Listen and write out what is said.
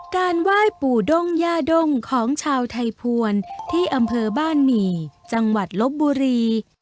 การไหว้ปู่ด้งย่าด้งของชาวไทยภวรที่อำเภอบ้านหมี่จังหวัดลบบุรี